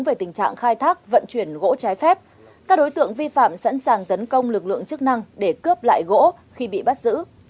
về tình trạng khai thác vận chuyển gỗ trái phép các đối tượng vi phạm sẵn sàng tấn công lực lượng chức năng để cướp lại gỗ khi bị bắt giữ